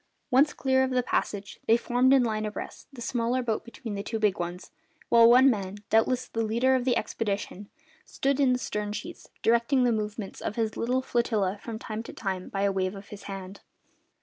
Once clear of the passage, they formed in line abreast, the smaller boat between the two big ones, while one man, doubtless the leader of the expedition, stood in the stern sheets, directing the movements of his little flotilla from time to time by a wave of his hand.